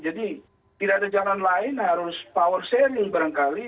jadi tidak ada jalan lain harus power sharing berangkali